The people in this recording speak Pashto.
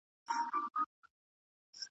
کله به رسوا سي، وايي بله ورځ `